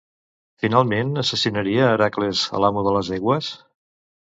Finalment, assassinaria Hèracles a l'amo de les egües?